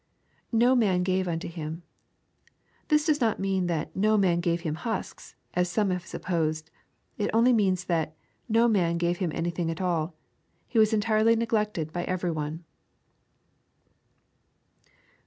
[No man gave unto him^ This does not mean that " no man gave him husks," as some have supposed. It only means, that '* No man gave him anything at all ;— ^he was entirely neglected by everv one."